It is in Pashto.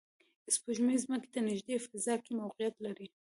سپوږمۍ ځمکې ته نږدې فضا کې موقعیت لري